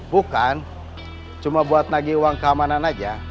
bukan cuma buat nagi uang keamanan aja